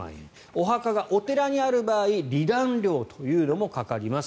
お墓がお寺にある場合離檀料というのもかかります。